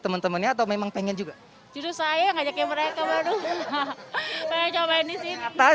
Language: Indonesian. temen temennya atau memang pengen juga judul saya ngajakin mereka baru pengen cobain di sini